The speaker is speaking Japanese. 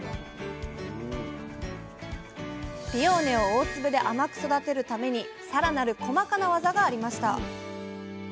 ピオーネを大粒で甘く育てるためにさらなる細かなワザがありました